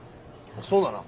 そうだな。